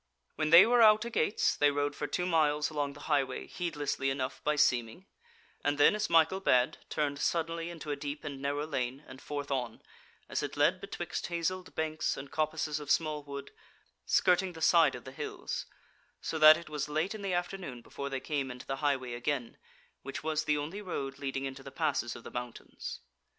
When they were out a gates, they rode for two miles along the highway, heedlessly enough by seeming, and then, as Michael bade, turned suddenly into a deep and narrow lane, and forth on, as it led betwixt hazelled banks and coppices of small wood, skirting the side of the hills, so that it was late in the afternoon before they came into the Highway again, which was the only road leading into the passes of the mountains.